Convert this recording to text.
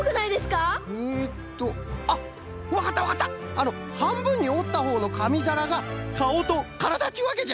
あのはんぶんにおったほうのかみざらがかおとからだっちゅうわけじゃろ？